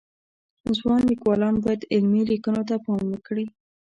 ځوان لیکوالان باید علمی لیکنو ته پام وکړي